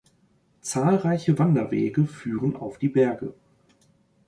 Zahlreiche Wanderwege führen auf die Berge.